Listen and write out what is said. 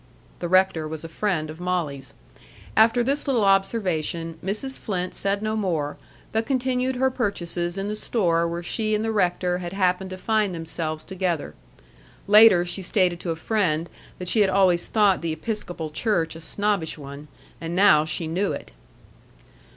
The rector was a friend of Molly's. After this little observation, Mrs. Flynt said no more, but continued her purchases in the store where she and the rector had happened to find themselves together. Later she stated to a friend that she had always thought the Episcopal Church a snobbish one, and now she knew it.